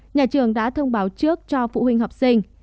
nhà trường đã thông báo trước cho phụ huynh học sinh